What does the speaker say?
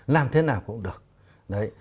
làm thế nào cũng được đấy